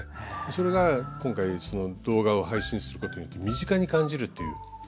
それが今回動画を配信することによって身近に感じるという。